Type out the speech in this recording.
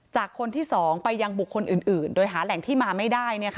จากคนที่๒ไปยังบุคคลอื่นโดยหาแหล่งที่มาไม่ได้